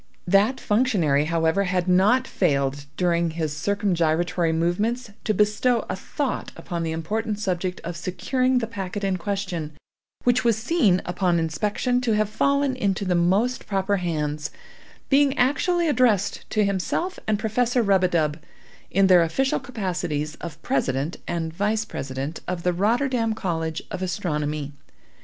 That functionary, however, had not failed, during his circumgyratory movements, to bestow a thought upon the important subject of securing the packet in question, which was seen, upon inspection, to have fallen into the most proper hands, being actually addressed to himself and Professor Rub a dub, in their official capacities of President and Vice President of the Rotterdam College of Astronomy.